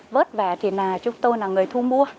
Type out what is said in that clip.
vớt về thì chúng tôi là người thu mua